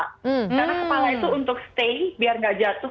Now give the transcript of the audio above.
karena kepala itu untuk stay biar gak jatuh